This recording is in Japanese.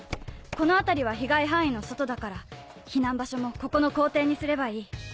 この辺りは被害範囲の外だから避難場所もここの校庭にすればいい。